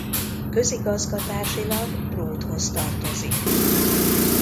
Közigazgatásilag Bródhoz tartozik.